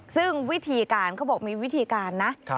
ซึ่งวิธีการเขาบอกมีวิธีการนะ